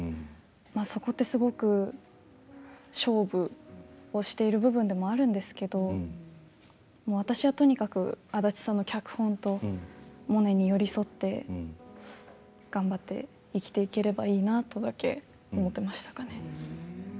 そこってすごく勝負をしている部分でもあるんですけど私はとにかく安達さんの脚本とモネに寄り添って頑張って生きていければいいなとかだけ思っていましたかね。